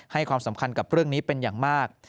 ความสำคัญกับเรื่องนี้เป็นอย่างมาก